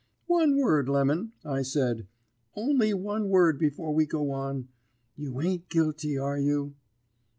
"'One word, Lemon,' I said, 'only one word before we go on. You ain't guilty, are you?'